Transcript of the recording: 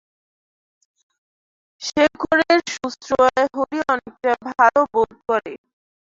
শেখরের সুশ্রষায় হরি অনেকটা ভালো বোধ করে।